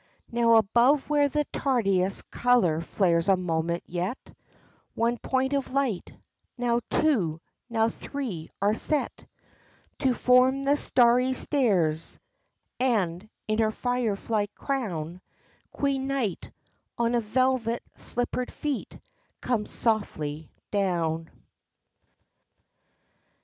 Now above where the tardiest color flares a moment yet, One point of light, now two, now three are set To form the starry stairs, And, in her fire fly crown, Queen Night, on velvet slippered feet, comes softly down.